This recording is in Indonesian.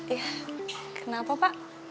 iya kenapa pak